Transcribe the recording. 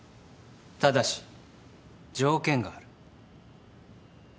ただし条件がある。